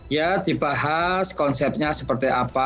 ya dibahas konsepnya seperti apa